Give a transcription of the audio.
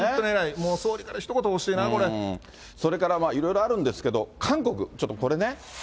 もう総理からひと言欲しいな、こそれからまあ、いろいろあるんですけど、韓国、ちょっとこれね。